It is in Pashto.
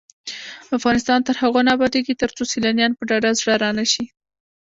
افغانستان تر هغو نه ابادیږي، ترڅو سیلانیان په ډاډه زړه را نشي.